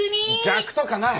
逆とかない！